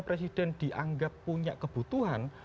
presiden dianggap punya kebutuhan